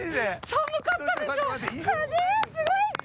寒かったでしょ！